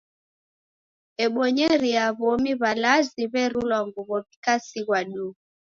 Ebonyeria w'omi w'alazi w'erulwa nguw'o w'ikasighwa duu.